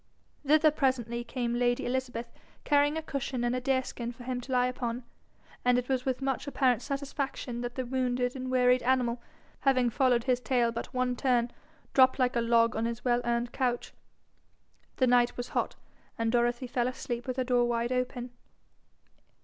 Thither presently came lady Elizabeth, carrying a cushion and a deerskin for him to lie upon, and it was with much apparent satisfaction that the wounded and wearied animal, having followed his tail but one turn, dropped like a log on his well earned couch. The night was hot, and Dorothy fell asleep with her door wide open.